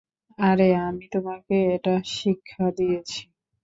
আরে আমি তোমাকে এটা শিক্ষা দিয়েছি?